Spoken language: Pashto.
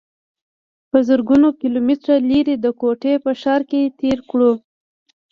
پۀ زرګونو کلومټره لرې د کوټې پۀ ښار کښې تير کړو